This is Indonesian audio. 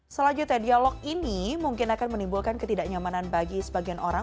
selanjutnya dialog ini mungkin akan menimbulkan ketidaknyamanan bagi sebagian orang